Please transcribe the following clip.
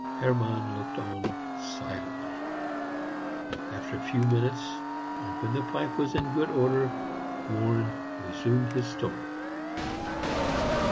Hermann looked on silently. After a few minutes, and when the pipe was in good order, Warren resumed his story.